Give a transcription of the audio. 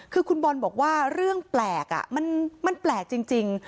คือคุณบอลบอกว่าเรื่องแปลกอ่ะมันมันแปลกจริงจริง